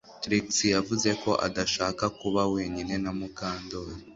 Trix yavuze ko adashaka kuba wenyine na Mukandoli